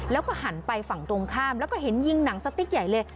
แล้วก็หันไปฝั่งตรงข้ามแล้วก็เห็นยิงหนังสติ๊กใหญ่เลย